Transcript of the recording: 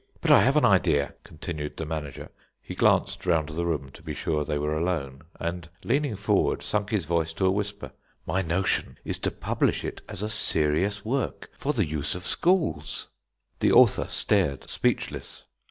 But I have an idea," continued the manager. He glanced round the room to be sure they were alone, and leaning forward sunk his voice to a whisper. "My notion is to publish it as a serious work for the use of schools!" The author stared, speechless.